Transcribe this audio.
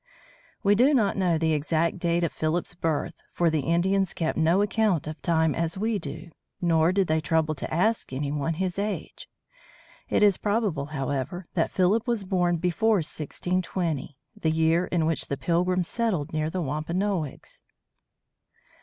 We do not know the exact date of Philip's birth, for the Indians kept no account of time as we do, nor did they trouble to ask any one his age. It is probable, however, that Philip was born before 1620, the year in which the Pilgrims settled near the Wampanoags.